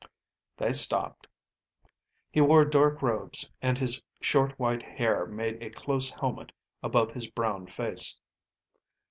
They stopped. He wore dark robes, and his short white hair made a close helmet above his brown face.